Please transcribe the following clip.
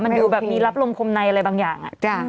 มันอยู่แบบมีรับลมคมในอะไรบางอย่าง